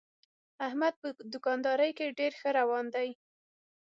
احمد په دوکاندارۍ کې ډېر ښه روان دی.